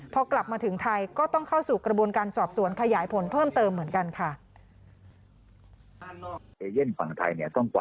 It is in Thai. พอกลับมาถึงไทยก็ต้องเข้าสู่กระบวนการสอบสวนขยายผลเพิ่มเติมเหมือนกันค่ะ